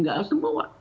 nggak harus semua